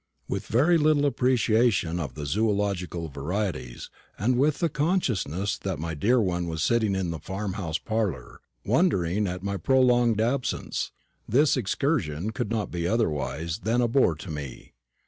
With very little appreciation of the zoological varieties, and with the consciousness that my dear one was sitting in the farm house parlour, wondering at my prolonged absence, this excursion could not be otherwise than a bore to me.